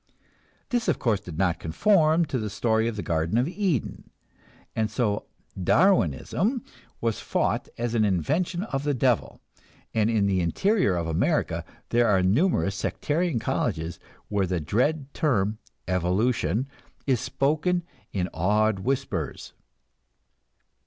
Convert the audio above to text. This of course did not conform to the story of the Garden of Eden, and so "Darwinism" was fought as an invention of the devil, and in the interior of America there are numerous sectarian colleges where the dread term "evolution" is spoken in awed whispers.